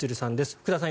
福田さん